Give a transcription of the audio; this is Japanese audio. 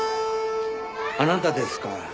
あなたですか。